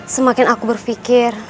semakin aku berfikir